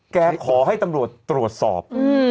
ขอให้ตำรวจตรวจสอบ